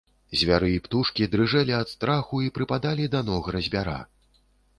Звяры і птушкі дрыжэлі ад страху і прыпадалі да ног разьбяра.